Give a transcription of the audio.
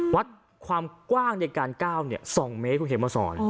วัดความกว้างในการก้าว๒เมตรคุณเขียนมาสอน